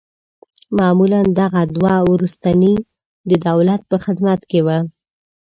معمولاً دغه دوه وروستني د دولت په خدمت کې وه.